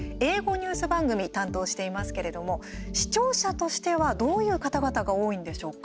ニュース番組担当していますけれども視聴者としてはどういう方々が多いんでしょうか。